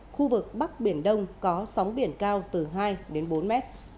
khu vực bắc biển đông có sóng biển cao từ hai đến bốn mét